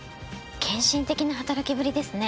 献身的な働きぶりですね。